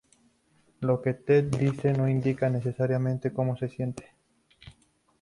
Lo que Ted dice no indica necesariamente cómo se siente.